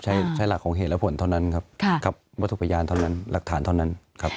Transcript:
ใช้หลักของเหตุและผลเท่านั้นครับวัตถุพยานเท่านั้นหลักฐานเท่านั้นครับ